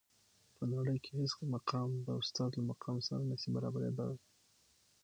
په نړۍ کي هیڅ مقام د استاد له مقام سره نسي برابري دلای.